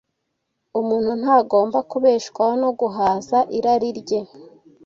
Umuntu ntagomba kubeshwaho no guhaza irari rye